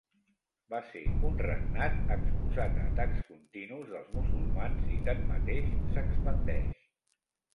Va ser un regnat exposat a atacs continus dels musulmans i tanmateix, s'expandeix.